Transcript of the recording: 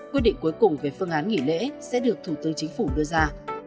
quyết định cuối cùng về phương án nghỉ lễ sẽ được thủ tướng chính phủ đưa ra